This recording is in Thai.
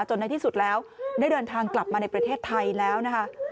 ในที่สุดแล้วได้เดินทางกลับมาในประเทศไทยแล้วนะคะ